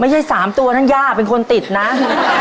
ไม่ใช่สามตัวนั้นย่าเป็นคนติดนะ